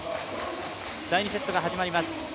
第２セットが始まります。